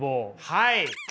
はい。